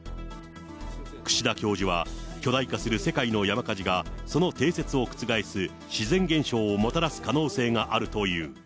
串田教授は、巨大化する世界の山火事が、その定説を覆す自然現象をもたらす可能性があるという。